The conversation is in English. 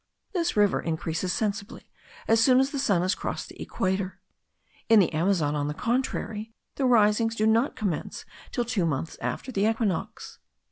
This river increases sensibly as soon as the sun has crossed the equator; in the Amazon, on the contrary, the risings do not commence till two months after the equinox.